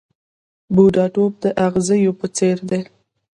بوډاتوب د اغزیو په څېر دی .